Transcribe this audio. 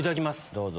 どうぞ。